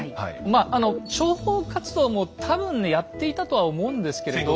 まあ諜報活動も多分ねやっていたとは思うんですけれど。